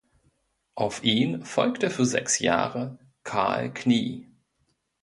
Auf ihn folgte für sechs Jahre "Karl Knie".